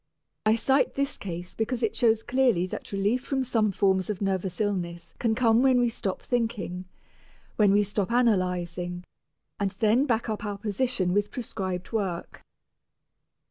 I cite this case because it shows clearly that relief from some forms of nervous illness can come when we stop thinking, when we stop analyzing, and then back up our position with prescribed work.